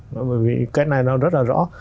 bởi vì cái này nó rất là rõ